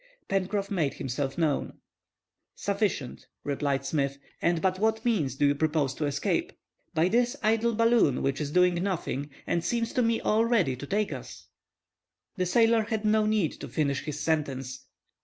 Pencroff made himself known. "Sufficient," replied Smith. "And by what means do you propose to escape?" "By this idle balloon which is doing nothing, and seems to me all ready to take us!"— The sailor had no need to finish his sentence.